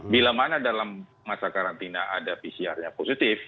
bila mana dalam masa karantina ada pcr nya positif